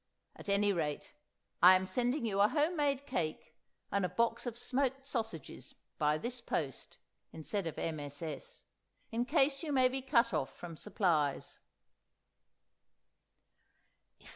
At any rate, I'm sending you a home made cake and a box of smoked sausages by this post (instead of MSS.) in case you may be cut off from supplies."